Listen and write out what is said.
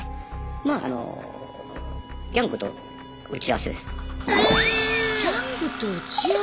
まああのギャングと打ち合わせです。